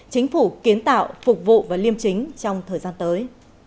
chính phủ kiến tạo phục vụ và liêm chính trong thời gian tới